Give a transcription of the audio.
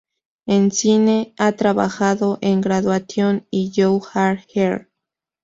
En cine ha trabajado en "Graduation" y "You Are Here".